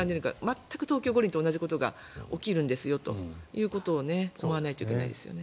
全く東京五輪と同じことが起きるんですよということを思わないといけないですよね。